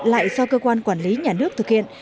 lại do cơ quan quản lý nhà nước thực hiện